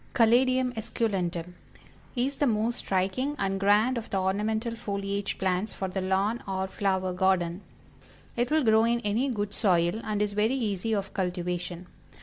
CALADIUM ESCULENTUM, Is the most striking and grand of the Ornamental Foliage Plants for the lawn or flower garden. It will grow in any good soil, and is very easy of cultivation.